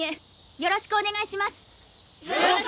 よろしくお願いします！